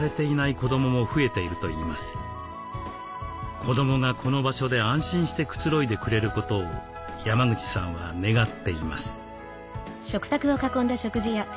子どもがこの場所で安心してくつろいでくれることを山口さんは願っています。